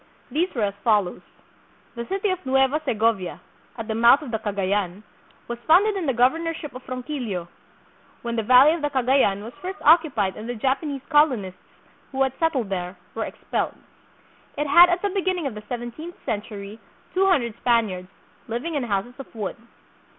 These were as follows: The City of Nueva Segovia, at the mouth of the Cagayan, was founded in the governorship of Ronquillo, when the valley of the Cagayan was first occupied and the Japanese colonists, who had settled there, were expelled. It had at the beginning of the seventeenth century two hundred Spaniards, living in houses of wood.